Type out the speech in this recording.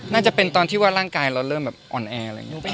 น่าจะเป็นว่าร่างกายเราเริ่มอ่อนแอ